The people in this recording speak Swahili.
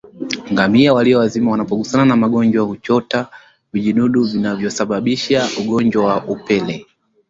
Ngamia waliowazima wanapogusana na wagonjwa huchota vijidudu vinavyosababisha ugonjwa wa upele